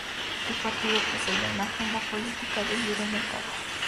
El partido poseía una agenda política de libre mercado.